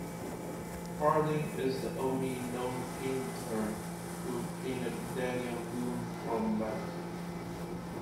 Harding is the only known painter who painted Daniel Boone from life.